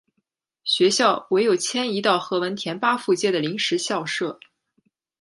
学校唯有迁移到何文田巴富街的临时校舍。